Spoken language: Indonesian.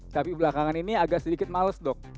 tapi belakangan ini agak sedikit males dok